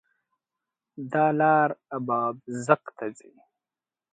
دا لار اببازک ته ځي